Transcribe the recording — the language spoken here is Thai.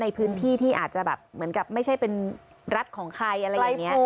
ในพื้นที่ที่อาจจะแบบเหมือนกับไม่ใช่เป็นรัฐของใครอะไรอย่างนี้